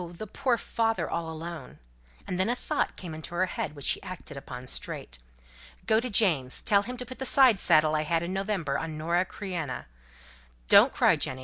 the poor father all alone!" And then a thought came into her head, which she acted upon straight. "Go to James, tell him to put the side saddle I had in November on Nora Creina. Don't cry, Jenny.